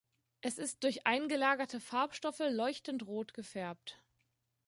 Es ist durch eingelagerte Farbstoffe leuchtend rot gefärbt.